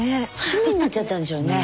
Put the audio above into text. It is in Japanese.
趣味になっちゃったんでしょうね。